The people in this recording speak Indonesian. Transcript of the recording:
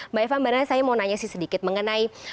mbak eva sebenarnya saya mau nanya sedikit mengenai